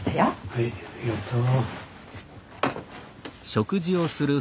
はいありがとう。